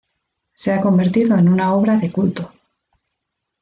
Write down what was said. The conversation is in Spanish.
Se ha convertido en una obra de culto.